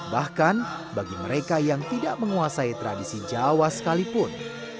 bahkan bagi mereka yang tidak menguasai tradisi jawa sekalipun